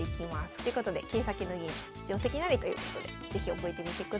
ということで「桂先の銀定跡なり」ということで是非覚えてみてください。